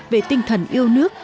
về tinh thần yêu nước